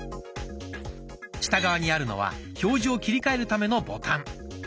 下側にあるのは表示を切り替えるためのボタン。